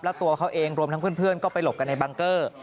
แล้วตัวเขาเองรวมทั้งเพื่อนก็ไปหลบกันในบังเกอร์